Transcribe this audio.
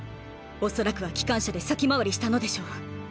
おそらくは機関車で先回りしたのでしょう。